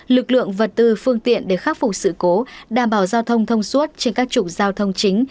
lực lượng vật tư phương tiện để khắc phục sự cố đảm bảo giao thông thông suốt trên các trục giao thông chính